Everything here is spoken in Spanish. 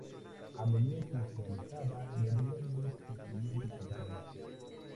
A medida que se alejaba deberían ir destruyendo la naturaleza.